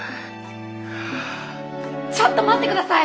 ちょっと待って下さい！